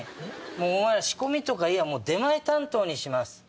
お前ら仕込みとかいいや出前担当にします。